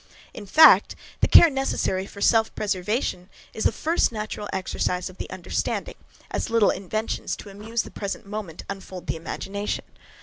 In fact, the care necessary for self preservation is the first natural exercise of the understanding, as little inventions to amuse the present moment unfold the imagination.